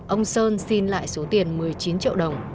ông sơn xin lại số tiền một mươi chín triệu đồng